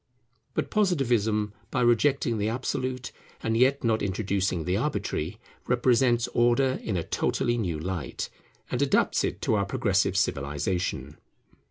But Positivism, by rejecting the absolute, and yet not introducing the arbitrary, represents Order in a totally new light, and adapts it to our progressive civilization.